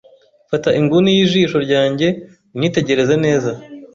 Fata inguni y'ijisho ryanjye unyitegereze neza